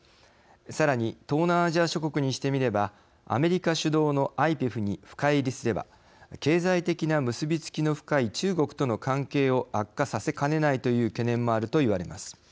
さらに東南アジア諸国にしてみればアメリカ主導のＩＰＥＦに深入りすれば経済的な結び付きの深い中国との関係を悪化させかねないという懸念もあるといわれます。